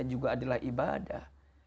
itu juga adalah ibadah